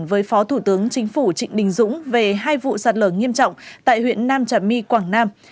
phó thủ tướng chính phủ trịnh bình dũng về hai vụ sát lở nghiêm trọng tại huyện nam trà my quảng nam